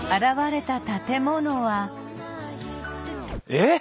えっ！